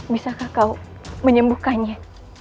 bisakah kau menyembuhkannya